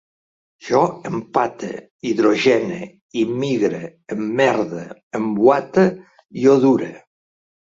Jo empate, hidrogene, immigre, emmerde, embuate, iodure